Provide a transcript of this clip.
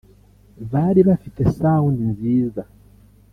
Bari bafite sound nziza